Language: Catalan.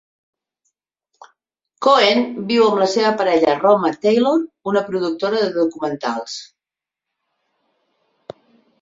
Cohen viu amb la seva parella Roma Taylor, una productora de documentals.